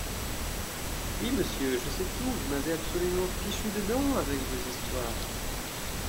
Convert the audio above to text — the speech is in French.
Oui, monsieur, je sais tout, vous m'avez absolument fichu dedans, avec vos histoires.